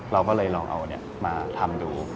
เราก็เลยลองเอามาทำดู